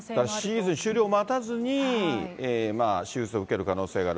シーズン終了を待たずに手術を受ける可能性がある。